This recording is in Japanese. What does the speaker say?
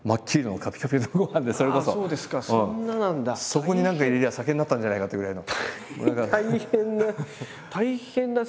そこに何か入れりゃ酒になったんじゃないかってぐらいの。